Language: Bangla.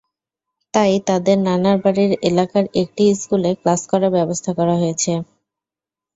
তাই তাদের নানার বাড়ির এলাকার একটি স্কুলে ক্লাস করার ব্যবস্থা করা হয়েছে।